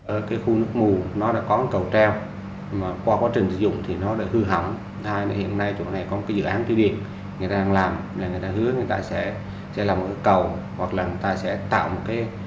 ở khu nước mù đã có một cầu treo mà qua quá trình dùng thì nó đã hư hỏng